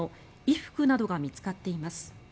衣服などが見つかっています。